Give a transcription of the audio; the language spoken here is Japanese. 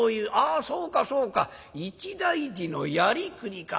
あそうかそうか一大事のやりくりか。